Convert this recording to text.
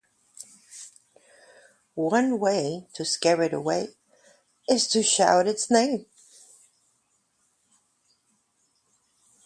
One way to scare it away is to shout its name.